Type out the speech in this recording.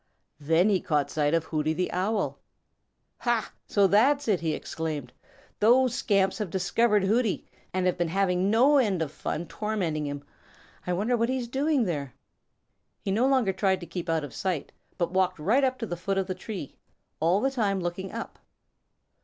Then he caught sight of Hooty the Owl. "Ha, so that's it!" he exclaimed. "Those scamps have discovered Hooty and have been having no end of fun tormenting him. I wonder what he's doing there." He no longer tried to keep out of sight, but walked right up to the foot of the tree, all the time looking up.